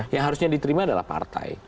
yang harusnya diterima adalah partai